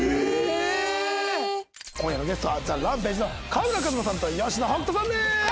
今夜のゲストはＴＨＥＲＡＭＰＡＧＥの川村壱馬さんと吉野北人さんです！